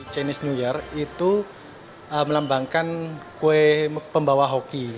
chinese new year itu melambangkan kue pembawa hoki